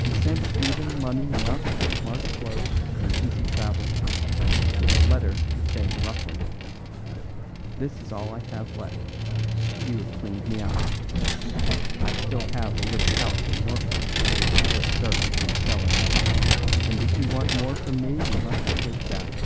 He sent Stephen money enough for smart clothes and easy travel, with a letter saying roughly: 'This is all I have left. You have cleaned me out. I still have a little house in Norfolk, with servants and a cellar, and if you want more from me you must take that.